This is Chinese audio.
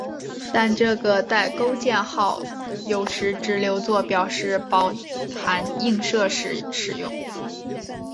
但这个带钩箭号有时只留作表示包含映射时用。